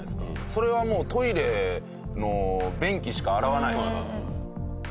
それはもうトイレの便器しか洗わないでしょ。